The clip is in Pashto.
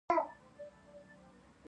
زمرد د افغانستان د صادراتو برخه ده.